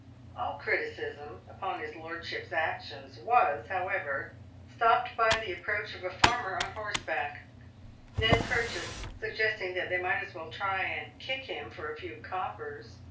All criticism upon his lordship's actions was, however, stopped by the approach of a farmer on horseback, Ned Purchase suggesting that they might as well try and " kick him" for a few coppers.